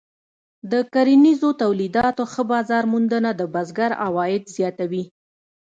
د کرنیزو تولیداتو ښه بازار موندنه د بزګر عواید زیاتوي.